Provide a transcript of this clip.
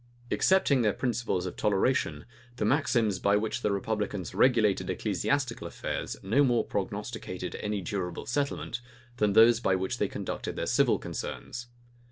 Excepting their principles of toleration, the maxims by which the republicans regulated ecclesiastical affairs no more prognosticated any durable settlement, than those by which they conducted their civil concerns.